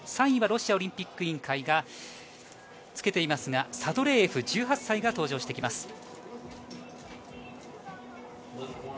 ３位はロシアオリンピック委員会がつけていますが、サドレーエフ、１８歳が登場します。